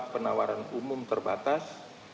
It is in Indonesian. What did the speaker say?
empat puluh empat penawaran umum terbatas